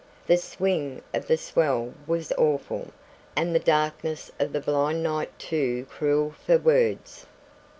The swing of the swell was awful, and the darkness of the blind night too cruel for words.